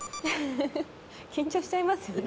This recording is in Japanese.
緊張しちゃいますよね。